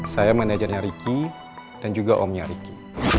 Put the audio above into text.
saya manajernya riki dan juga omnya riki